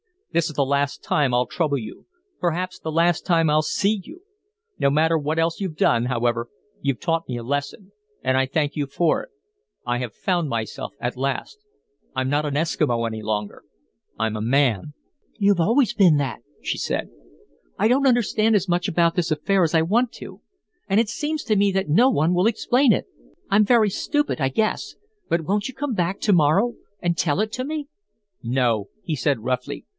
This is the last time I'll trouble you. Perhaps the last time I'll see you. No matter what else you've done, however, you've taught me a lesson, and I thank you for it. I have found myself at last. I'm not an Eskimo any longer I'm a man!" "You've always been that," she said. "I don't understand as much about this affair as I want to, and it seems to me that no one will explain it. I'm very stupid, I guess; but won't you come back to morrow and tell it to me?" "No," he said, roughly.